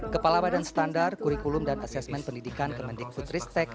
kepala badan standar kurikulum dan asesmen pendidikan kemendik putristek